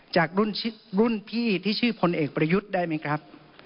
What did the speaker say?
จากรุ่นพี่ที่ชื่อพลเอกประยุทธ์ได้ไหมครับ